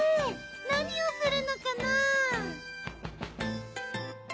何をするのかな？